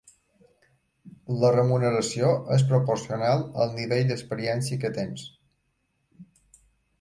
La remuneració és proporcional al nivell d"experiència que tens.